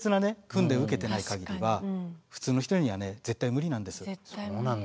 訓練受けてない限りは普通の人にはね絶対無理なんです。